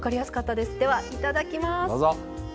では、いただきます。